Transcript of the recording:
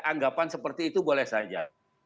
anggapan seperti itu boleh saja